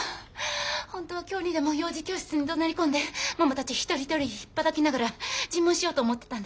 本当は今日にでも幼児教室にどなり込んでママたち一人一人ひっぱたきながら尋問しようと思ってたんです。